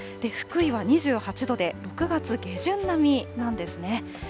福井は２８度で、６月下旬並みなんですね。